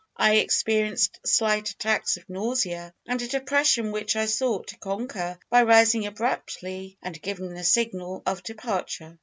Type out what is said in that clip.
I experienced slight attacks of nausea, and a depression which I sought to conquer by rising abruptly and giving the signal of departure.